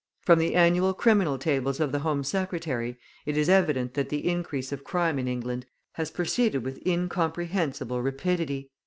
From the annual criminal tables of the Home Secretary, it is evident that the increase of crime in England has proceeded with incomprehensible rapidity.